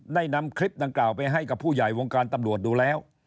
ได้นำคลิปดังกล่าวไปให้กับผู้ใหญ่วงการตำรวจดูแล้ว